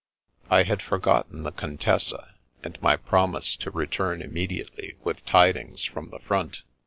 I had forgotten the Contessa, and my promise to return immediately with tidings from the front.